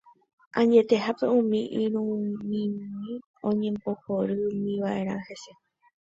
Añetehápe, umi iñirũmimi oñembohorýmiva'erã hese.